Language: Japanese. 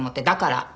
だから。